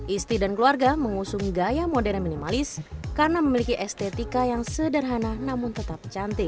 isti dan keluarga mengusung gaya modern minimalis karena memiliki estetika yang sederhana namun tetap cantik